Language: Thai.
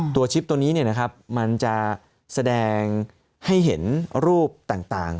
ชิปตัวนี้มันจะแสดงให้เห็นรูปต่าง